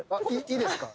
いいですか？